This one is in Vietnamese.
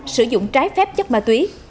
sử dụng trái phép chất ma túy